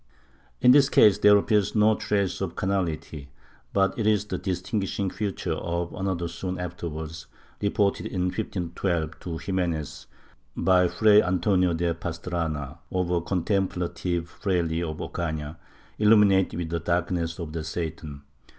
In this case there appears no trace of carnality, but it is the distinguishing feature of another soon afterwards, reported in 1512 to Ximenes by Fray Antonio de Pastrana, of a contemplative fraile of Ocana "illuminated with the darkness of Satan."